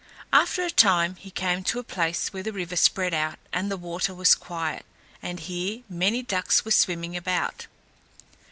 After a time he came to a place where the river spread out and the water was quiet, and here many ducks were swimming about.